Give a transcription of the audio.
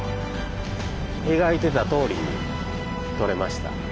描いてたとおりに取れました。